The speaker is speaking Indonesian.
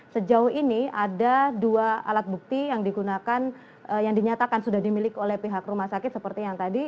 sejauh ini ada dua alat bukti yang digunakan yang dinyatakan sudah dimiliki oleh pihak rumah sakit seperti yang tadi